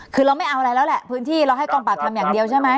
คือเราไม่เอาอะไรแล้วแหละพื้นที่เราให้กองปราบทำอย่างเดียวใช่ไหม